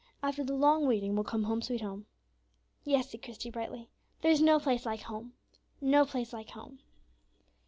After the long waiting will come 'Home, sweet Home.'" "Yes," said Christie, brightly, "'there's no place like Home, no place like Home.'"